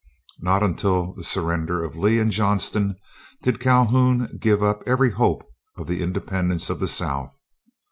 Not until the surrender of Lee and Johnston did Calhoun give up every hope of the independence of the South.